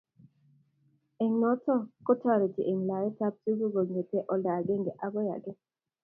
eng' notok ko tareti eng' laet ab tuguk kongetee olda agenge akoi age